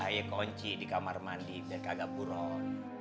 ayo kunci di kamar mandi biar gak buron